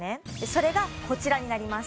それがこちらになります